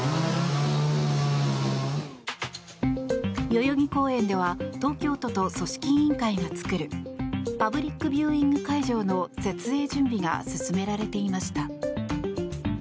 代々木公園では東京都と組織委員会が作るパブリックビューイング会場の設営準備が進められていました。